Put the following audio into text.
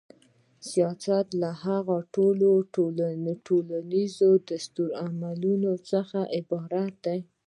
سیاست له هغو ټولیزو دستورالعملونو څخه عبارت دی.